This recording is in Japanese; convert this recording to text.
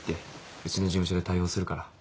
うちの事務所で対応するから。